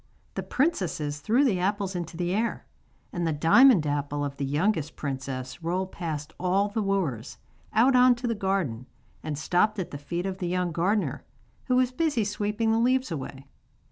The princesses threw the apples into the air, and the diamond apple of the youngest princess rolled past all the wooers, out on to the garden, and stopped at the feet of the young gardener, who was busy sweeping the leaves away.